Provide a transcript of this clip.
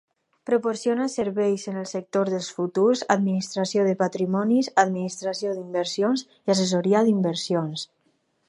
Proporciona serveis en el sector dels futurs, administració de patrimonis, administració d'inversions i assessoria d'inversions.